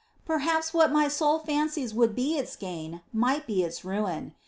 Perhaps what my soul fancies would be its gain might be its ruin.